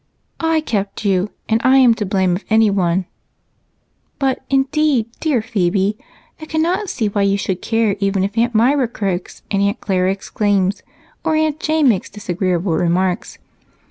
"I kept you, and I am to blame if anyone, but indeed, dear Phebe, I cannot see why you should care even if Aunt Myra croaks and Aunt Clara exclaims or Aunt Jane makes disagreeable remarks.